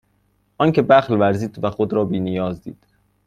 آنکه بخل ورزید و خود را بینیاز دید